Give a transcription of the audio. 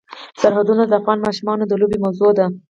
سرحدونه د افغان ماشومانو د لوبو موضوع ده.